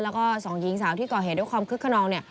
แล้วก็สองหญิงสาวที่ก่อเหตุด้วยความคึกขนอง